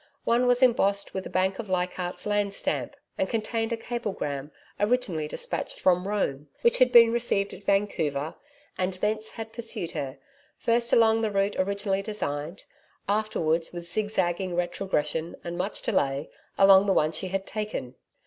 One was embossed with the Bank of Leichardt's Land stamp and contained a cablegram originally despatched from Rome, which had been received at Vancouver and, thence, had pursued her first along the route originally designed, afterwards, with zigzagging, retrogression and much delay, along the one she had taken.